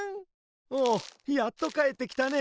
おおやっとかえってきたね。